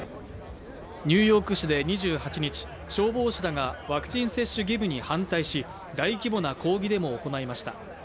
ニューヨーク市で２８日、消防士らがワクチン接種義務に反対し、大規模な抗議デモを行いました。